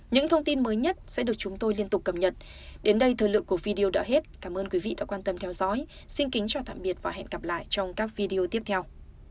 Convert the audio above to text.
những thông tin mới nhất sẽ được chúng tôi liên tục cập nhật đến đây thời lượng của video đã hết cảm ơn quý vị đã quan tâm theo dõi xin kính chào tạm biệt và hẹn gặp lại trong các video tiếp theo